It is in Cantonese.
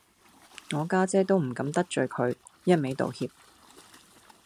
我家姐都唔敢得罪佢，一味道歉